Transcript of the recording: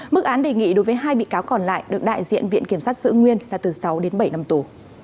mức án đề nghị đối với hai bị cáo còn lại được đại diện viện kiểm sát giữ nguyên là từ sáu đến bảy năm tù